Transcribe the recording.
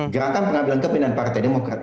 gerakan pengambilan kepindahan partai demokrat